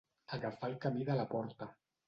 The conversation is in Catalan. Agafar el camí de la porta.